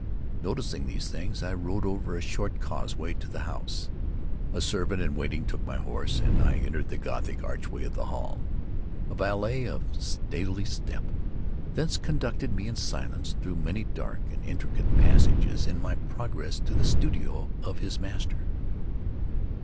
Noticing these things, I rode over a short causeway to the house. A servant in waiting took my horse, and I entered the Gothic archway of the hall. A valet, of stealthy step, thence conducted me, in silence, through many dark and intricate passages in my progress to the studio of his master.